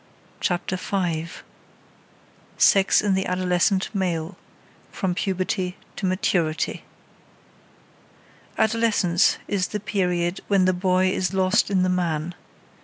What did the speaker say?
CHAPTER V SEX IN THE ADOLESCENT MALE (FROM PUBERTY TO MATURITY) Adolescence is the period when the boy is lost in the man.